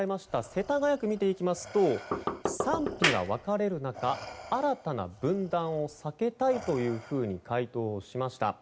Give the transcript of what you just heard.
世田谷区を見ていきますと賛否が分かれる中新たな分断を避けたいと回答をしました。